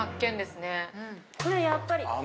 これやっぱり。